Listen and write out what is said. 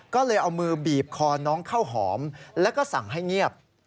ก็เลยเอามือบีบคอน้องข้าวหอมแล้วก็สั่งให้เงียบ